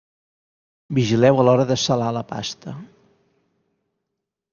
Vigileu a l'hora de salar la pasta.